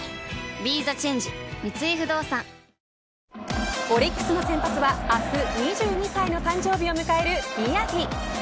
ＢＥＴＨＥＣＨＡＮＧＥ三井不動産オリックスの先発は明日２２歳の誕生日を迎える宮城。